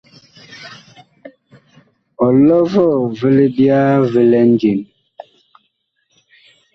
Ɔlɔ vɔɔ vi libyaa vi lɛ njen ?